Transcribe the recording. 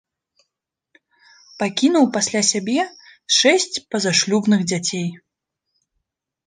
Пакінуў пасля сябе шэсць пазашлюбных дзяцей.